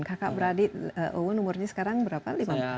kakak beradik owen umurnya sekarang berapa